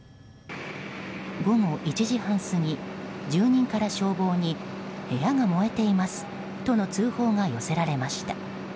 午後１時半過ぎ、住人から消防に部屋が燃えていますとの通報が寄せられました。